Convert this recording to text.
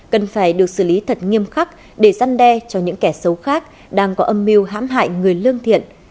cần phải được xử lý thật nghiêm khắc để giăn đe cho những kẻ xấu khác đang có âm mưu hãm hại người lương thiện